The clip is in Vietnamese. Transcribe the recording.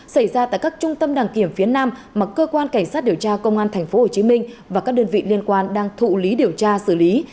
xảy ra tại các trung tâm đăng kiểm phía nam mà cơ quan cảnh sát điều tra công an tp hcm và các đơn vị liên quan đang thụ lý điều tra xử lý